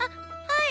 はい。